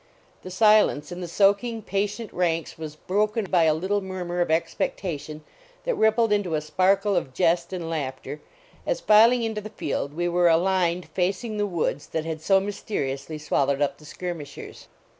The silence in the soaking, patient ranks was broken by a little murmur of expectation, that rippled into a sparkle of jest and laughter, as, filing into the field, we were aligned facing the woods that had so mysteriously swallowed up the skirmishers.